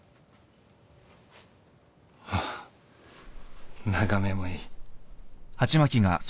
ハァ眺めもいい。